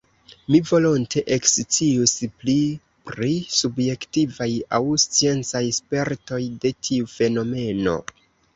Mi volonte ekscius pli pri subjektivaj aŭ sciencaj spertoj de tiu fenomeno.